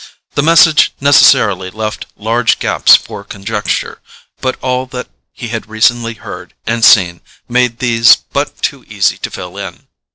The message necessarily left large gaps for conjecture; but all that he had recently heard and seen made these but too easy to fill in.